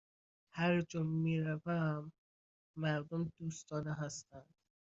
هرجا می روم، مردم دوستانه هستند.